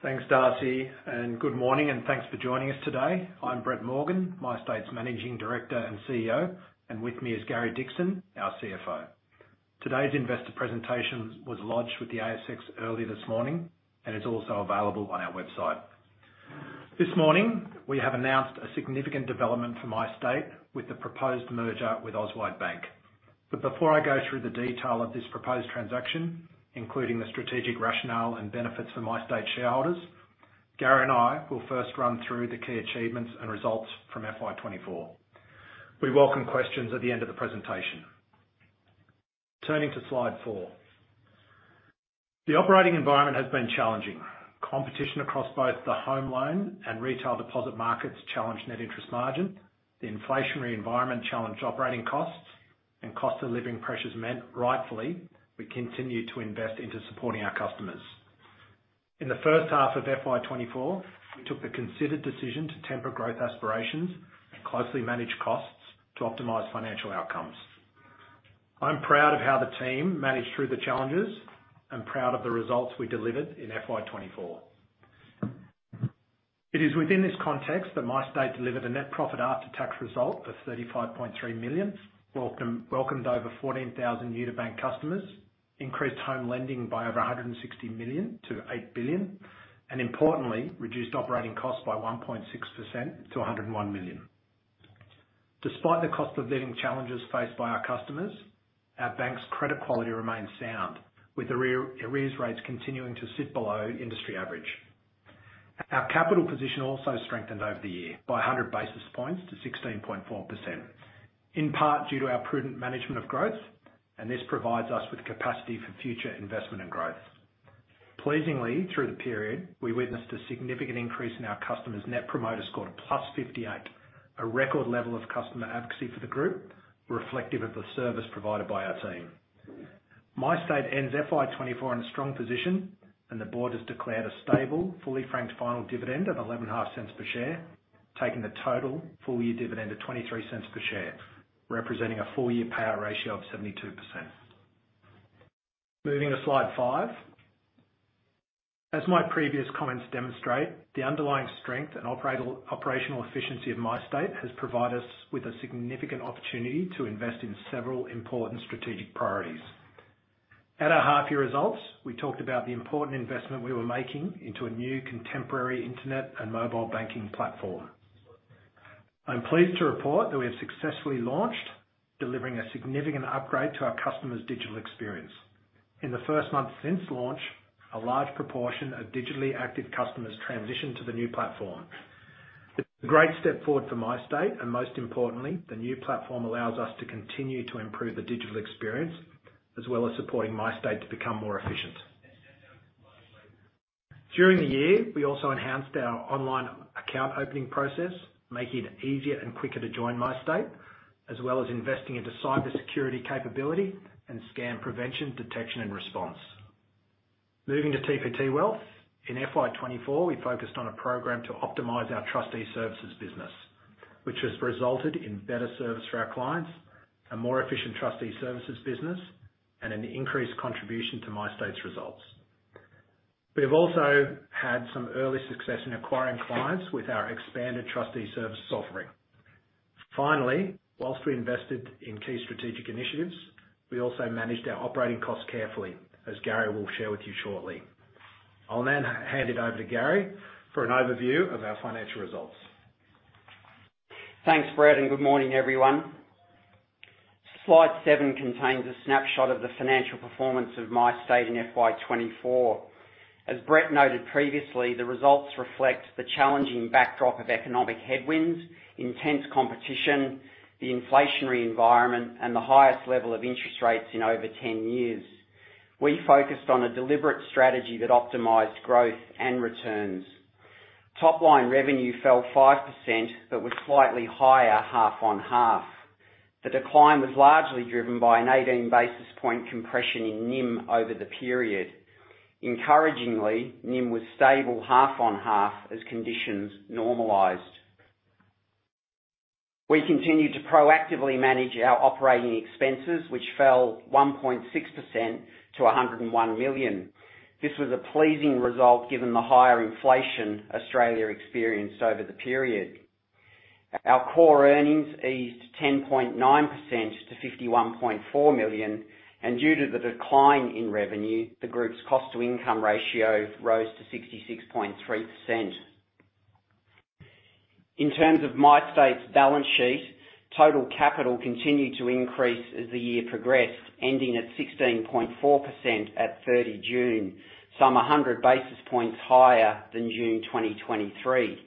Thanks, Darcy, and good morning, and thanks for joining us today. I'm Brett Morgan, MyState's Managing Director and CEO, and with me is Gary Dixon, our CFO. Today's investor presentation was lodged with the ASX earlier this morning and is also available on our website. This morning, we have announced a significant development for MyState with the proposed merger with Auswide Bank. But before I go through the detail of this proposed transaction, including the strategic rationale and benefits for MyState shareholders, Gary and I will first run through the key achievements and results from FY 2024. We welcome questions at the end of the presentation. Turning to Slide four. The operating environment has been challenging. Competition across both the home loan and retail deposit markets challenged net interest margin, the inflationary environment challenged operating costs, and cost of living pressures meant, rightfully, we continued to invest into supporting our customers. In the first half of FY 2024, we took the considered decision to temper growth aspirations and closely manage costs to optimize financial outcomes. I'm proud of how the team managed through the challenges and proud of the results we delivered in FY 2024. It is within this context that MyState delivered a net profit after tax result of AUD 35.3 million, welcomed over 14,000 new-to-bank customers, increased home lending by over 160 million to 8 billion, and importantly, reduced operating costs by 1.6% to 101 million. Despite the cost of living challenges faced by our customers, our bank's credit quality remains sound, with arrears rates continuing to sit below industry average. Our capital position also strengthened over the year by 100 basis points to 16.4%, in part due to our prudent management of growth, and this provides us with capacity for future investment and growth. Pleasingly, through the period, we witnessed a significant increase in our customers' Net Promoter Score to +58, a record level of customer advocacy for the group, reflective of the service provided by our team. MyState ends FY 2024 in a strong position, and the board has declared a stable, fully franked final dividend of 0.115 per share, taking the total full-year dividend to 0.23 per share, representing a full-year payout ratio of 72%. Moving to Slide 5. As my previous comments demonstrate, the underlying strength and operational efficiency of MyState has provided us with a significant opportunity to invest in several important strategic priorities. At our half-year results, we talked about the important investment we were making into a new contemporary internet and mobile banking platform. I'm pleased to report that we have successfully launched, delivering a significant upgrade to our customers' digital experience. In the first month since launch, a large proportion of digitally active customers transitioned to the new platform. A great step forward for MyState, and most importantly, the new platform allows us to continue to improve the digital experience, as well as supporting MyState to become more efficient. During the year, we also enhanced our online account opening process, making it easier and quicker to join MyState, as well as investing into cybersecurity capability and scam prevention, detection, and response. Moving to TPT Wealth. In FY 2024, we focused on a program to optimize our trustee services business, which has resulted in better service for our clients, a more efficient trustee services business, and an increased contribution to MyState's results. We have also had some early success in acquiring clients with our expanded trustee service offering. Finally, whilst we invested in key strategic initiatives, we also managed our operating costs carefully, as Gary will share with you shortly. I'll then hand it over to Gary for an overview of our financial results. Thanks, Brett, and good morning, everyone. Slide 7 contains a snapshot of the financial performance of MyState in FY24. As Brett noted previously, the results reflect the challenging backdrop of economic headwinds, intense competition, the inflationary environment, and the highest level of interest rates in over 10 years. We focused on a deliberate strategy that optimized growth and returns. Top-line revenue fell 5%, but was slightly higher half-on-half. The decline was largely driven by an eighteen basis points compression in NIM over the period. Encouragingly, NIM was stable half-on-half as conditions normalized. We continued to proactively manage our operating expenses, which fell 1.6% to 101 million. This was a pleasing result, given the higher inflation Australia experienced over the period. Our core earnings eased 10.9% to 51.4 million, and due to the decline in revenue, the group's cost-to-income ratio rose to 66.3%. In terms of MyState's balance sheet, total capital continued to increase as the year progressed, ending at 16.4% at 30 June, some 100 basis points higher than June 2023.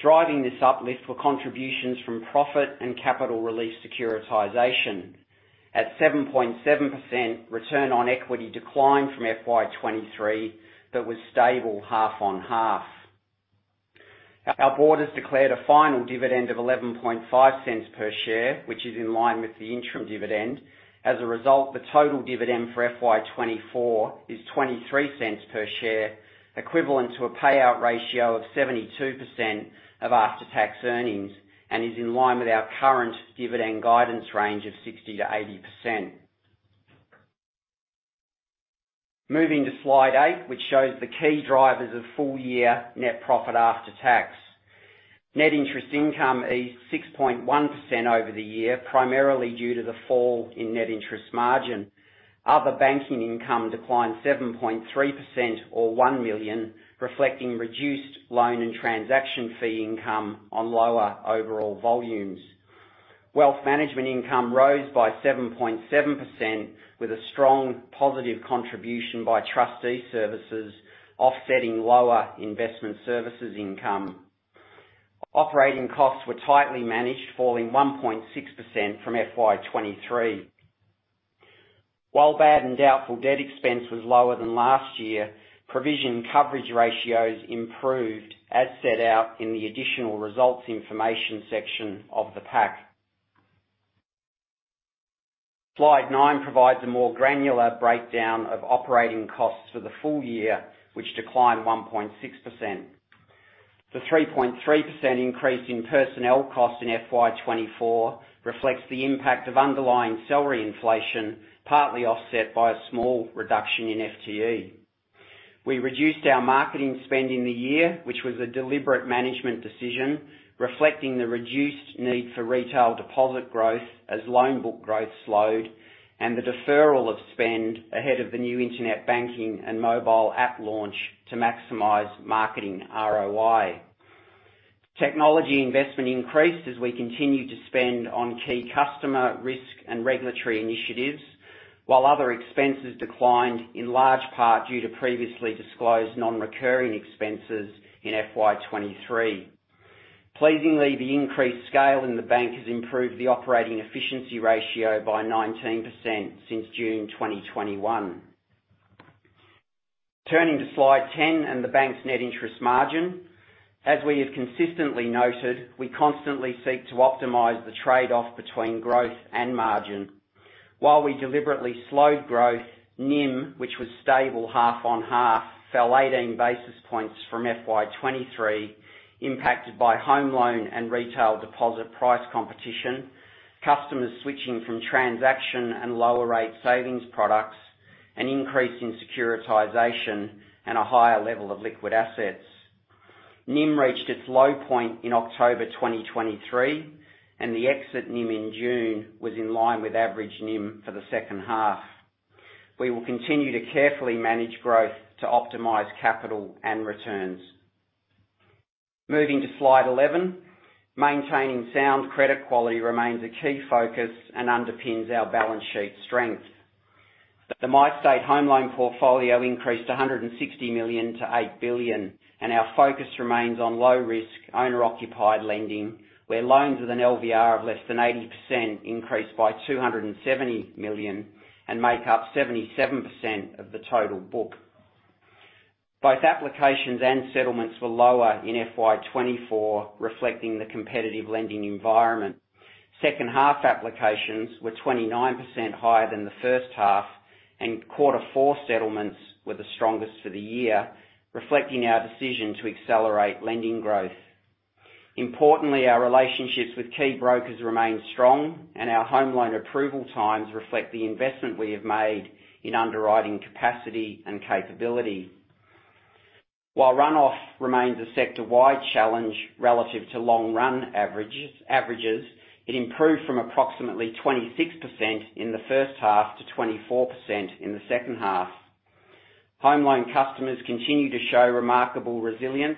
Driving this uplift were contributions from profit and capital release securitization. At 7.7%, return on equity declined from FY 2023, but was stable half-on-half. Our board has declared a final dividend of 0.115 per share, which is in line with the interim dividend. As a result, the total dividend for FY 2024 is 0.23 per share, equivalent to a payout ratio of 72% of after-tax earnings and is in line with our current dividend guidance range of 60%-80%. Moving to Slide 8, which shows the key drivers of full-year net profit after tax. Net interest income eased 6.1% over the year, primarily due to the fall in net interest margin. Other banking income declined 7.3% or 1 million, reflecting reduced loan and transaction fee income on lower overall volumes. Wealth management income rose by 7.7%, with a strong positive contribution by trustee services, offsetting lower investment services income. Operating costs were tightly managed, falling 1.6% from FY 2023. While bad and doubtful debt expense was lower than last year, provision coverage ratios improved, as set out in the additional results information section of the pack. Slide 9 provides a more granular breakdown of operating costs for the full year, which declined 1.6%. The 3.3% increase in personnel costs in FY 2024 reflects the impact of underlying salary inflation, partly offset by a small reduction in FTE. We reduced our marketing spend in the year, which was a deliberate management decision, reflecting the reduced need for retail deposit growth as loan book growth slowed, and the deferral of spend ahead of the new internet banking and mobile app launch to maximize marketing ROI. Technology investment increased as we continued to spend on key customer, risk, and regulatory initiatives, while other expenses declined, in large part due to previously disclosed non-recurring expenses in FY 2023. Pleasingly, the increased scale in the bank has improved the operating efficiency ratio by 19% since June 2021. Turning to Slide 10 and the bank's net interest margin. As we have consistently noted, we constantly seek to optimize the trade-off between growth and margin. While we deliberately slowed growth, NIM, which was stable half-on-half, fell 18 basis points from FY 2023, impacted by home loan and retail deposit price competition, customers switching from transaction and lower rate savings products, an increase in securitization, and a higher level of liquid assets. NIM reached its low point in October 2023, and the exit NIM in June was in line with average NIM for the second half. We will continue to carefully manage growth to optimize capital and returns. Moving to Slide 11, maintaining sound credit quality remains a key focus and underpins our balance sheet strength. The MyState home loan portfolio increased 160 million to 8 billion, and our focus remains on low-risk, owner-occupied lending, where loans with an LVR of less than 80% increased by 270 million and make up 77% of the total book. Both applications and settlements were lower in FY24, reflecting the competitive lending environment. Second half applications were 29% higher than the first half, and quarter four settlements were the strongest for the year, reflecting our decision to accelerate lending growth. Importantly, our relationships with key brokers remain strong, and our home loan approval times reflect the investment we have made in underwriting capacity and capability. While runoff remains a sector-wide challenge relative to long-run averages, it improved from approximately 26% in the first half to 24% in the second half. Home loan customers continue to show remarkable resilience,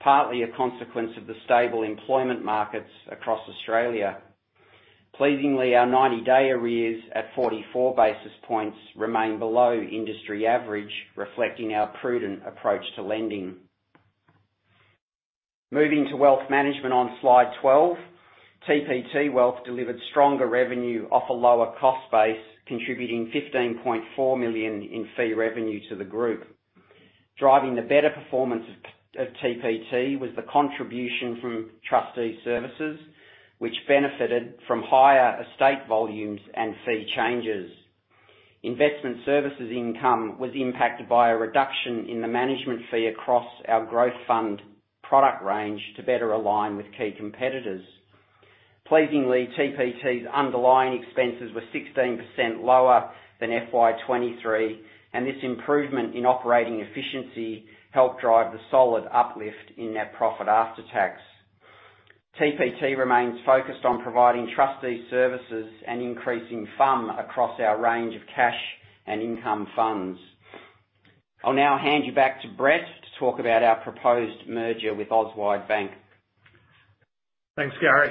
partly a consequence of the stable employment markets across Australia. Pleasingly, our ninety-day arrears at forty-four basis points remain below industry average, reflecting our prudent approach to lending. Moving to wealth management on Slide 12, TPT Wealth delivered stronger revenue off a lower cost base, contributing 15.4 million in fee revenue to the group. Driving the better performance of TPT was the contribution from trustee services, which benefited from higher estate volumes and fee changes. Investment services income was impacted by a reduction in the management fee across our growth fund product range to better align with key competitors. Pleasingly, TPT's underlying expenses were 16% lower than FY 2023, and this improvement in operating efficiency helped drive the solid uplift in net profit after tax. TPT remains focused on providing trustee services and increasing FUM across our range of cash and income funds. I'll now hand you back to Brett to talk about our proposed merger with Auswide Bank. Thanks, Gary.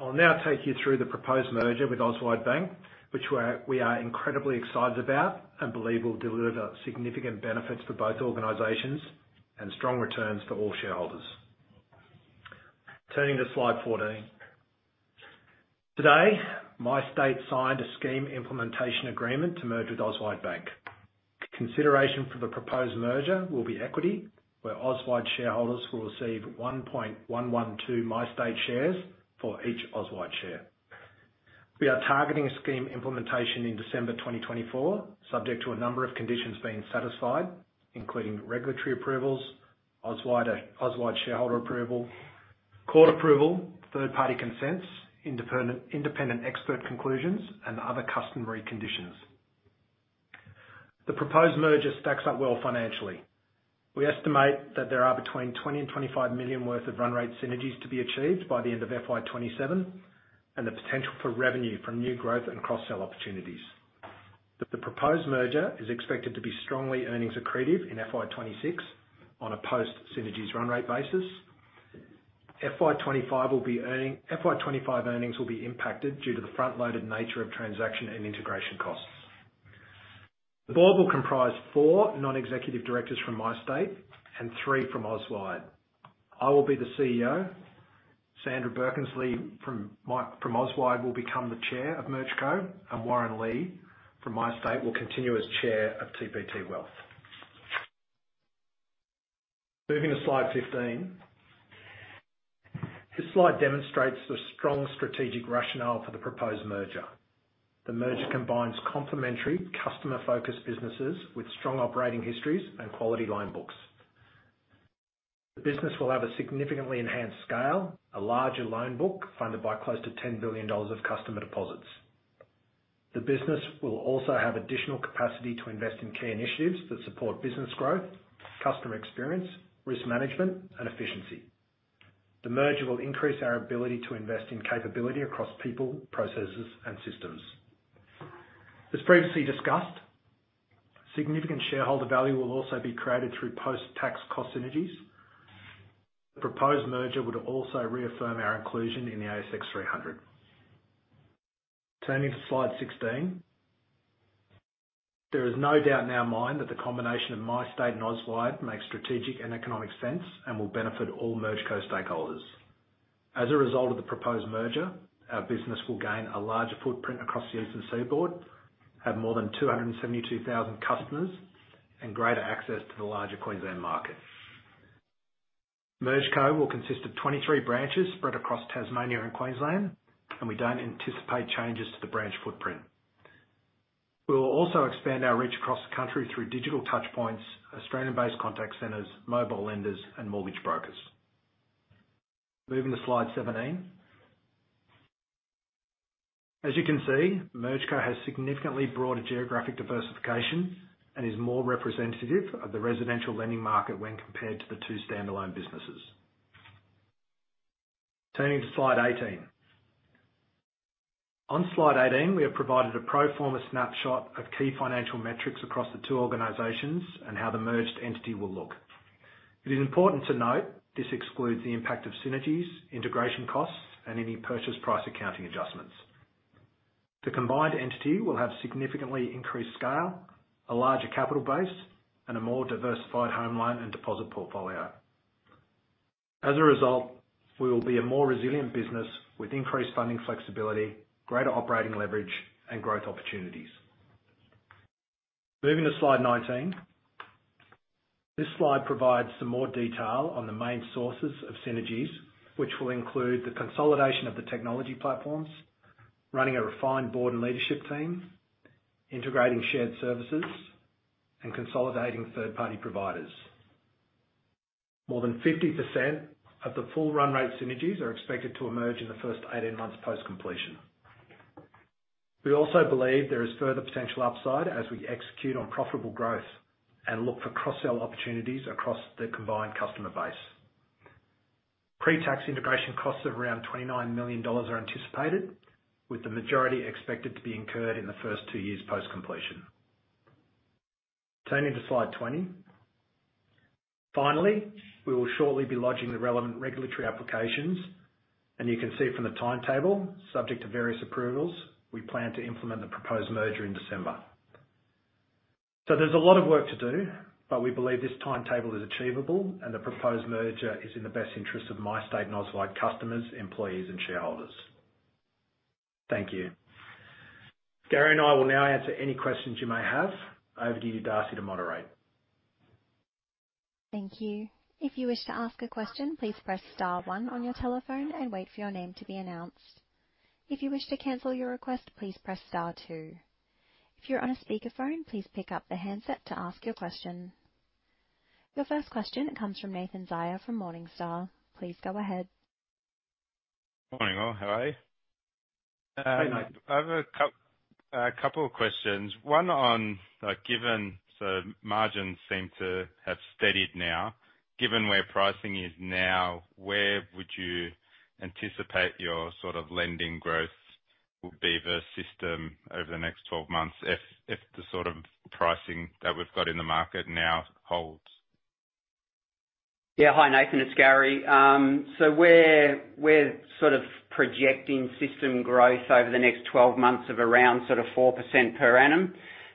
I'll now take you through the proposed merger with Auswide Bank, which we are incredibly excited about and believe will deliver significant benefits for both organizations and strong returns for all shareholders. Turning to Slide 14. Today, MyState signed a Scheme Implementation Agreement to merge with Auswide Bank. Consideration for the proposed merger will be equity, where Auswide shareholders will receive 1.112 MyState shares for each Auswide share. We are targeting a scheme implementation in December 2024, subject to a number of conditions being satisfied, including regulatory approvals, Auswide shareholder approval, court approval, third party consents, independent expert conclusions, and other customary conditions. The proposed merger stacks up well financially. We estimate that there are between 20 and 25 million worth of run rate synergies to be achieved by the end of FY 2027, and the potential for revenue from new growth and cross-sell opportunities. The proposed merger is expected to be strongly earnings accretive in FY 2026 on a post synergies run rate basis. FY 2025 earnings will be impacted due to the front-loaded nature of transaction and integration costs. The board will comprise four non-executive directors from MyState and three from Auswide. I will be the CEO, Sandra Birkensleigh from Auswide will become the chair of MergeCo, and Warren Lee from MyState will continue as chair of TPT Wealth. Moving to slide 15. This slide demonstrates the strong strategic rationale for the proposed merger. The merger combines complementary customer-focused businesses with strong operating histories and quality loan books. The business will have a significantly enhanced scale, a larger loan book, funded by close to 10 billion dollars of customer deposits. The business will also have additional capacity to invest in key initiatives that support business growth, customer experience, risk management, and efficiency. The merger will increase our ability to invest in capability across people, processes, and systems. As previously discussed, significant shareholder value will also be created through post-tax cost synergies. The proposed merger would also reaffirm our inclusion in the ASX 300. Turning to slide 16. There is no doubt in our mind that the combination of MyState and Auswide makes strategic and economic sense and will benefit all MergeCo stakeholders. As a result of the proposed merger, our business will gain a larger footprint across the eastern seaboard, have more than 272,000 customers, and greater access to the larger Queensland market. MergeCo will consist of 23 branches spread across Tasmania and Queensland, and we don't anticipate changes to the branch footprint. We will also expand our reach across the country through digital touchpoints, Australian-based contact centers, mobile lenders, and mortgage brokers. Moving to slide 17. As you can see, MergeCo has significantly broader geographic diversification and is more representative of the residential lending market when compared to the two standalone businesses. Turning to slide 18. On slide 18, we have provided a pro forma snapshot of key financial metrics across the two organizations and how the merged entity will look. It is important to note, this excludes the impact of synergies, integration costs, and any purchase price accounting adjustments. The combined entity will have significantly increased scale, a larger capital base, and a more diversified home loan and deposit portfolio. As a result, we will be a more resilient business with increased funding flexibility, greater operating leverage, and growth opportunities. Moving to slide 19. This slide provides some more detail on the main sources of synergies, which will include the consolidation of the technology platforms, running a refined board and leadership team, integrating shared services, and consolidating third-party providers. More than 50% of the full run rate synergies are expected to emerge in the first 18 months post-completion. We also believe there is further potential upside as we execute on profitable growth and look for cross-sell opportunities across the combined customer base. Pre-tax integration costs of around 29 million dollars are anticipated, with the majority expected to be incurred in the first two years post-completion. Turning to slide 20. Finally, we will shortly be lodging the relevant regulatory applications, and you can see from the timetable, subject to various approvals, we plan to implement the proposed merger in December. So there's a lot of work to do, but we believe this timetable is achievable, and the proposed merger is in the best interest of MyState and Auswide customers, employees, and shareholders. Thank you. Gary and I will now answer any questions you may have. Over to you, Darcy, to moderate. Thank you. If you wish to ask a question, please press star one on your telephone and wait for your name to be announced. If you wish to cancel your request, please press star two. If you're on a speakerphone, please pick up the handset to ask your question. Your first question comes from Nathan Zaia from Morningstar. Please go ahead. Morning, all. How are you? Hey, Nathan. I have a couple of questions. One on, like, given, so margins seem to have steadied now. Given where pricing is now, where would you anticipate your sort of lending growth will be, the system over the next twelve months, if the sort of pricing that we've got in the market now holds? Yeah. Hi, Nathan, it's Gary. So we're projecting system growth over the next twelve months of around sort of 4% per annum.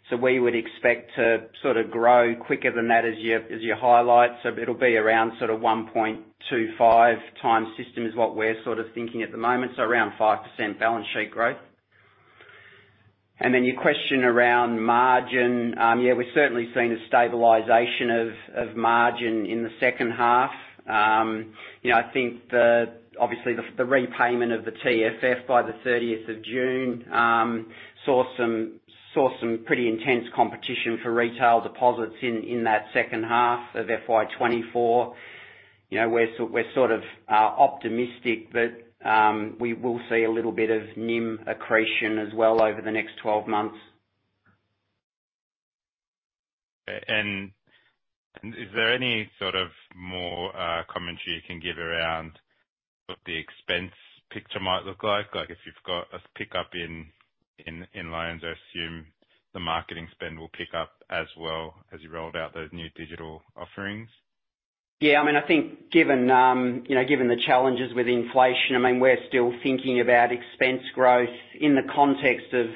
So we would expect to sort of grow quicker than that, as you highlight. So it'll be around sort of 1.25 times system, is what we're sort of thinking at the moment, so around 5% balance sheet growth. And then your question around margin, yeah, we've certainly seen a stabilization of margin in the second half. You know, I think the obviously the repayment of the TFF by the thirtieth of June saw some pretty intense competition for retail deposits in that second half of FY 2024. You know, we're sort of optimistic that we will see a little bit of NIM accretion as well over the next twelve months. Is there any sort of more commentary you can give around what the expense picture might look like? Like, if you've got a pick-up in loans, I assume the marketing spend will pick up as well, as you roll out those new digital offerings. Yeah, I mean, I think given, you know, given the challenges with inflation, I mean, we're still thinking about expense growth in the context of,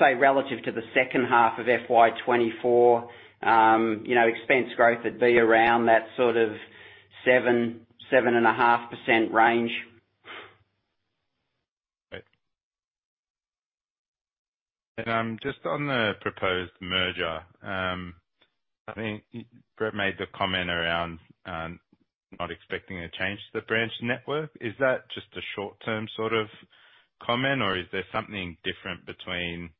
say, relative to the second half of FY 2024, you know, expense growth would be around that sort of 7-7.5% range. Great. Just on the proposed merger, I think Brett made the comment around not expecting a change to the branch network. Is that just a short-term sort of comment, or is there something different between,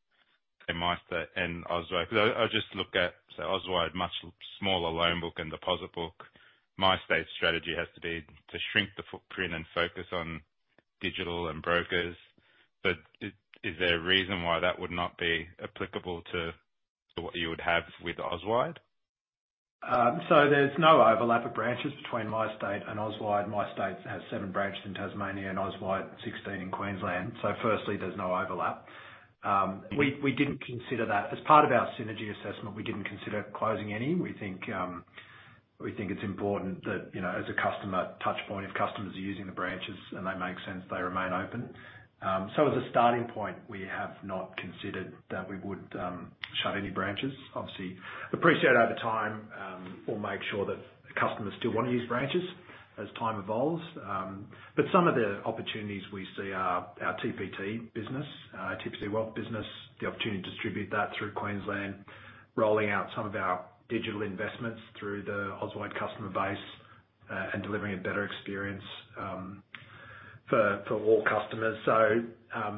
say, MyState and Auswide? Because I just look at, say, Auswide, much smaller loan book and deposit book. MyState's strategy has to be to shrink the footprint and focus on digital and brokers. But is there a reason why that would not be applicable to what you would have with Auswide? So there's no overlap of branches between MyState and Auswide. MyState has seven branches in Tasmania and Auswide, 16 in Queensland. So firstly, there's no overlap. We didn't consider that. As part of our synergy assessment, we didn't consider closing any. We think it's important that, you know, as a customer touchpoint, if customers are using the branches and they make sense, they remain open. So as a starting point, we have not considered that we would shut any branches. Obviously, appreciate over time, we'll make sure that customers still want to use branches as time evolves. But some of the opportunities we see are our TPT business, TPT Wealth business, the opportunity to distribute that through Queensland, rolling out some of our digital investments through the Auswide customer base, and delivering a better experience for all customers. So.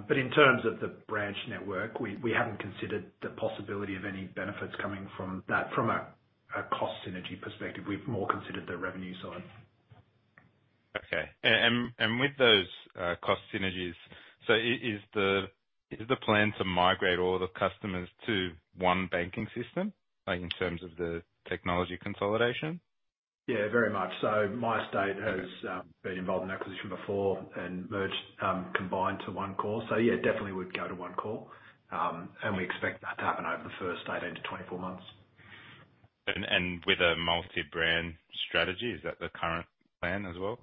But in terms of the branch network, we haven't considered the possibility of any benefits coming from that, from a cost synergy perspective. We've more considered the revenue side. Okay. And with those cost synergies, so is the plan to migrate all the customers to one banking system, like, in terms of the technology consolidation? Yeah, very much so. MyState has been involved in acquisition before and merged, combined to one core. So yeah, definitely would go to one core. And we expect that to happen over the first eighteen to 24 months. With a multi-brand strategy, is that the current plan as well?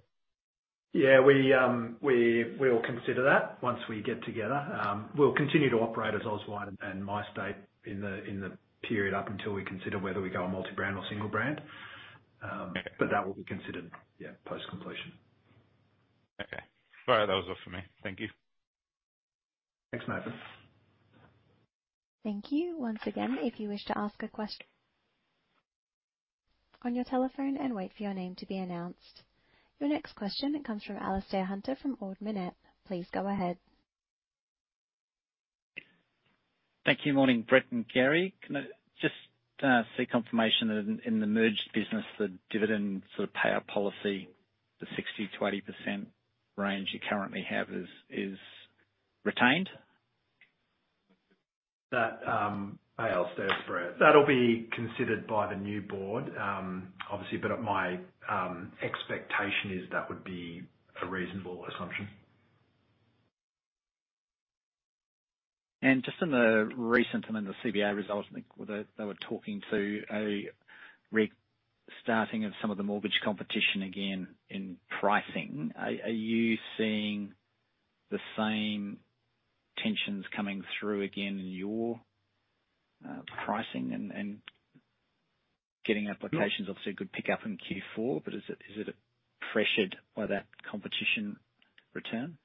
Yeah, we'll consider that once we get together. We'll continue to operate as Auswide and MyState in the period up until we consider whether we go a multi-brand or single brand. But that will be considered, yeah, post-completion. Okay. All right, that was all for me. Thank you. Thanks, Nathan. Thank you. Once again, if you wish to ask a question on your telephone and wait for your name to be announced. Your next question comes from Alistair Hunter from Ord Minnett. Please go ahead. Thank you. Morning, Brett and Gary. Can I just seek confirmation that in the merged business, the dividend sort of payout policy, the 60%-80% range you currently have is retained? That, Alistair, it's Brett. That'll be considered by the new board, obviously, but my expectation is that would be a reasonable assumption. Just on the recent, I mean, the CBA results, I think they were talking to a re-starting of some of the mortgage competition again in pricing. Are you seeing the same tensions coming through again in your pricing and getting applications? Obviously, a good pick-up in Q4, but is it pressured by that competition return?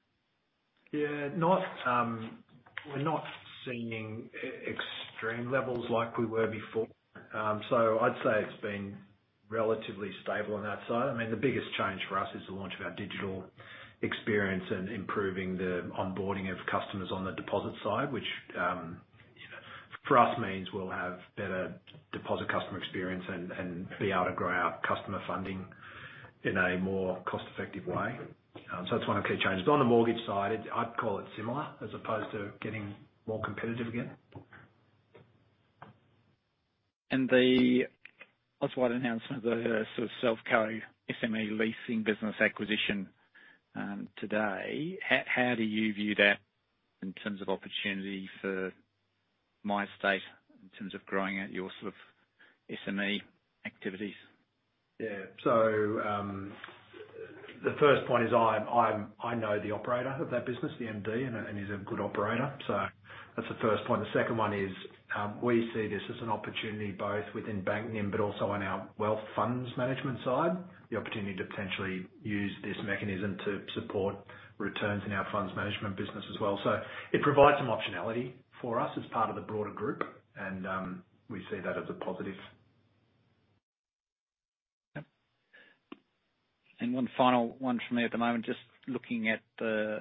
Yeah, not... We're not seeing extreme levels like we were before. So I'd say it's been relatively stable on that side. I mean, the biggest change for us is the launch of our digital experience and improving the onboarding of customers on the deposit side, which for us means we'll have better deposit customer experience and be able to grow our customer funding in a more cost-effective way. So that's one of the key changes. But on the mortgage side, I'd call it similar, as opposed to getting more competitive again. The Auswide announcement, the sort of Selfco SME leasing business acquisition, today, how do you view that in terms of opportunity for MyState, in terms of growing out your sort of SME activities? Yeah. So, the first point is I know the operator of that business, the MD, and he's a good operator. So that's the first point. The second one is, we see this as an opportunity, both within banking, but also on our wealth and funds management side. The opportunity to potentially use this mechanism to support returns in our funds management business as well. So it provides some optionality for us as part of the broader group, and we see that as a positive. Yep. And one final one from me at the moment. Just looking at the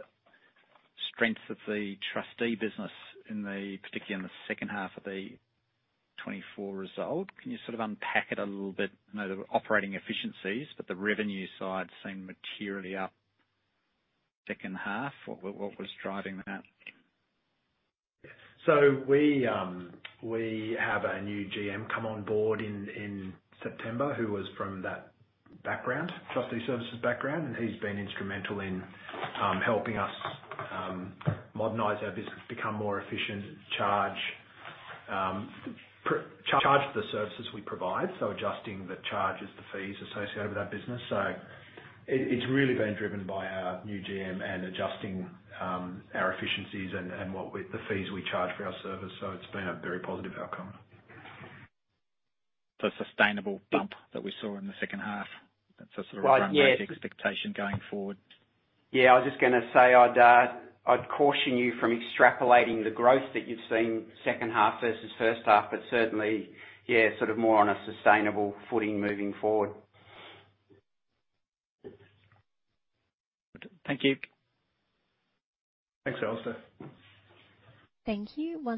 strength of the trustee business in the, particularly in the second half of the 2024 result, can you sort of unpack it a little bit? I know the operating efficiencies, but the revenue side seemed materially up second half. What, what was driving that? So we have a new GM come on board in September, who was from that background, trustee services background, and he's been instrumental in helping us modernize our business, become more efficient, charge the services we provide, so adjusting the charges, the fees associated with that business. So it's really been driven by our new GM and adjusting our efficiencies and the fees we charge for our service. So it's been a very positive outcome. So sustainable bump that we saw in the second half, that's a sort of- Right, yeah. Growth expectation going forward? Yeah, I was just going to say, I'd caution you from extrapolating the growth that you've seen second half versus first half, but certainly, yeah, sort of more on a sustainable footing moving forward. Thank you. Thanks, Alistair. Thank you.